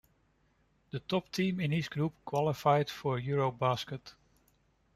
The top team in each group qualified for EuroBasket.